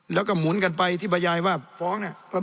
แล้วก็หมุนกันไปที่บรรยายว่าฟ้องเนี่ย